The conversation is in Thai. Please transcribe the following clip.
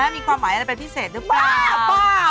มีความหมายอะไรเป็นพิเศษหรือเปล่า